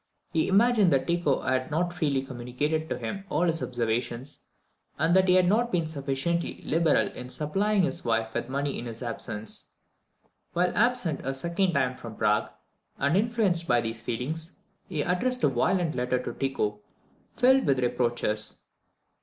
He imagined that Tycho had not freely communicated to him all his observations, and that he had not been sufficiently liberal in supplying his wife with money in his absence. While absent a second time from Prague, and influenced by these feelings, he addressed a violent letter to Tycho, filled with reproaches.